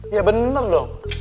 ya bener dong